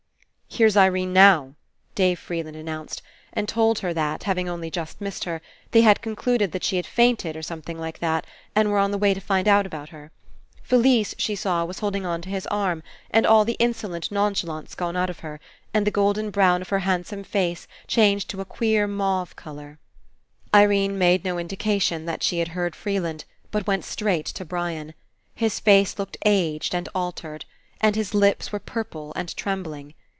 "Here's Irene now," Dave Freeland announced, and told her that, having only just missed her, they had concluded that she had fainted or something like that, and were on the way to find out about her. Felise, she saw, was holding on to his arm, all the insolent non chalance gone out of her, and the golden brown 213 PASSING of her handsome face changed to a queer mauve colour. Irene made no Indication that she had heard Freeland, but went straight to Brian. His face looked aged and altered, and his lips were purple and trembling.